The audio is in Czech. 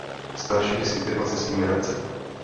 Starší kdysi utekla se svým milencem.